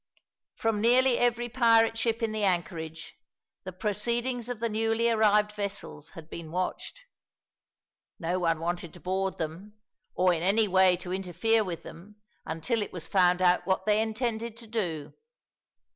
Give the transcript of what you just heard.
From nearly every pirate ship in the anchorage the proceedings of the newly arrived vessels had been watched. No one wanted to board them or in any way to interfere with them until it was found out what they intended to do.